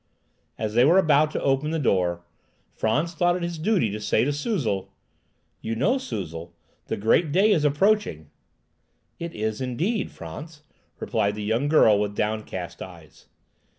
As they were about to open the door, Frantz thought it his duty to say to Suzel,— "You know, Suzel, the great day is approaching?" "It is indeed, Frantz," replied the young girl, with downcast eyes.